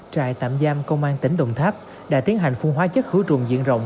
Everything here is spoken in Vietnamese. trại tạm giam công an tỉnh đồng tháp đã tiến hành phun hóa chất khử trùng diện rộng